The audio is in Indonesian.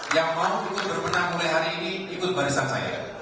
yang mau ikut bermenang mulai hari ini ikut barisan saya